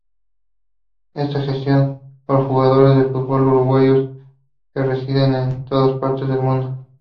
Está gestionada por jugadores de fútbol uruguayos que residen en todas partes del mundo.